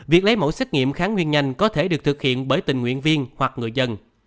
việc lấy mẫu xét nghiệm kháng nguyên nhanh có thể được thực hiện bởi tình nguyện viên hoặc người dân